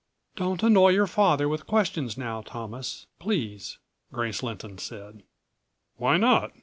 "Don't annoy your father with questions now, Thomas ... please," Grace Lynton said. "Why not?"